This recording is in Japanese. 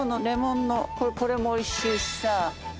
レモンのこれもおいしいしさ。